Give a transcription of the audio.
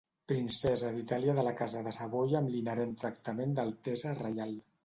Princesa d'Itàlia de la Casa de Savoia amb l'inherent tractament d'altesa reial.